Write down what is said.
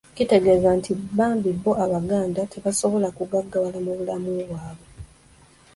Kitegeeza nti bambi bo Abaganda tebasobola kugaggawala mu bulamu bwabwe